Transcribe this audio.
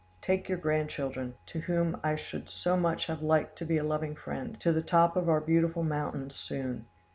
Take your grandchildren, to whom I should so much have liked to be a loving friend, to the top of our beautiful mountains soon.